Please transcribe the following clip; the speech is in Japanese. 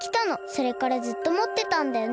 それからずっともってたんだよね。